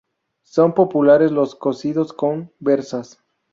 Son populares los cocidos con berzas.